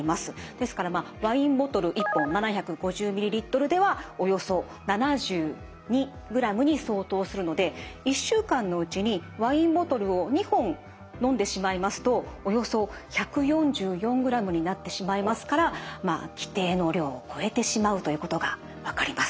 ですからまあワインボトル１本７５０ミリリットルではおよそ７２グラムに相当するので１週間のうちにワインボトルを２本飲んでしまいますとおよそ１４４グラムになってしまいますからまあ規定の量を超えてしまうということが分かります。